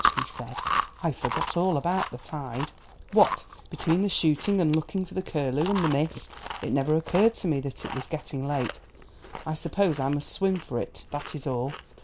he said. "I forgot all about the tide. What between the shooting and looking for that curlew, and the mist, it never occurred to me that it was getting late. I suppose I must swim for it, that is all."